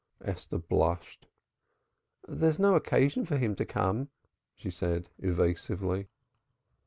Esther blushed. "There is no occasion for him to come," she said evasively.